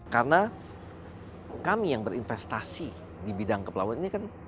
karena kami yang berinvestasi di bidang kepelabuhan ini kan